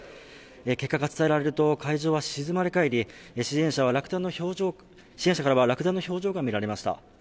結果が伝えられると会場は静まり返り、支援者からは落胆の表情が見られました。